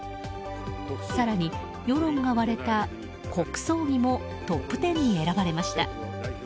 更に世論が割れた国葬儀もトップ１０に選ばれました。